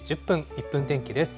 １分天気です。